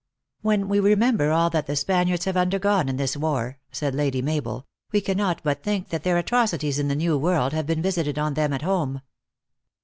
" When we remember all that the Spaniards have undergone in this war," said Lady Mabel, "we cannot but think that their atrocities in the new world have been visited on them at home."